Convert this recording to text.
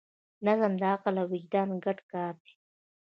نظم د عقل او وجدان ګډ کار دی.